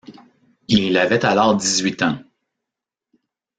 Il avait alors dix-huit ans.